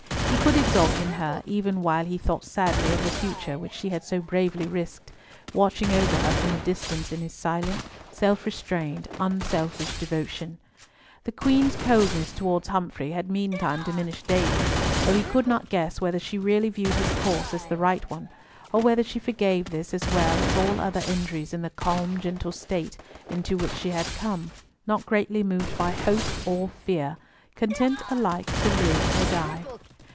He could exult in her, even while he thought sadly of the future which she had so bravely risked, watching over her from a distance in his silent, self restrained, unselfish devotion. The Queen's coldness towards Humfrey had meantime diminished daily, though he could not guess whether she really viewed his course as the right one, or whether she forgave this as well as all other injuries in the calm gentle state into which she had come, not greatly moved by hope or fear, content alike to live or die.